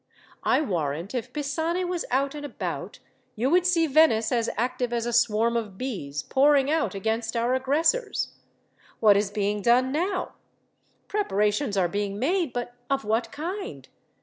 I warrant, if Pisani was out and about, you would see Venice as active as a swarm of bees, pouring out against our aggressors. What is being done now? Preparations are being made; but of what kind?